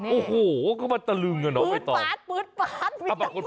โอ้โหก็มาตะลึงกันออกไปต่อปื๊ดป๊าส